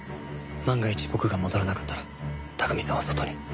万が一僕が戻らなかったら拓海さんは外に。